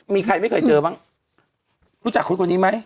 มีใครไม่เคยเจอบ้างรู้จักคนคนนี้ไหม